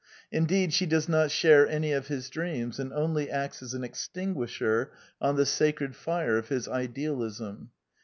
Indeed she does not share any of his dreams, and only acts as an extinguisher on the sacred fire of his idealism.